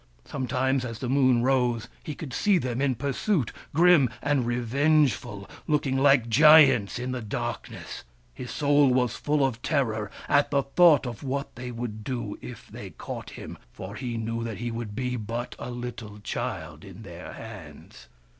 Sometimes, as the moon rose, he could see them in pursuit, grim and revengeful, looking like giants in the darkness. His soul was full of terror at the thought of what they would do if they caught him, for he knew that he would be but a little child in their hands.